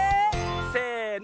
せの。